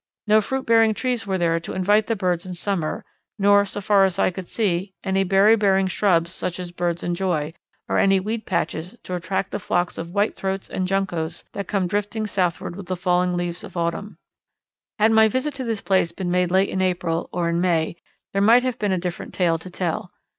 No fruit bearing trees were there to invite the birds in summer; nor, so far as I could see, any berry bearing shrubs such as birds enjoy, nor any weed patches to attract the flocks of Whitethroats and Juncos that come drifting southward with the falling leaves of autumn. Had my visit to this place been made late in April, or in May, there might have been a different tale to tell.